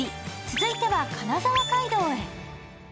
続いては金沢街道へ。